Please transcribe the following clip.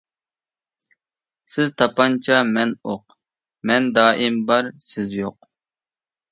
سىز تاپانچا مەن ئوق، مەن دائىم بار سىز يوق.